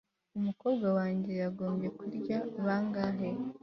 umukobwa wanjye yagombye kurya bangahe